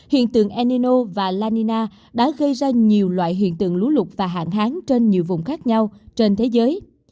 hiện tượng enino và la nina đã gây ra nhiều loại hiện tượng lúa lục và hạn hán trên nhiều vùng khác nhau trên thế giới